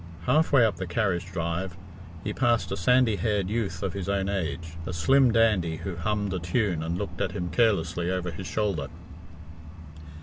Half way up the carriage drive he passed a sandy haired youth of his own age, a slim dandy who hummed a tune and looked at him carelessly over his shoulder.